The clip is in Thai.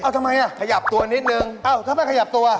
ทำไมละขยับตัวนิดนึงทำไมขยับตัว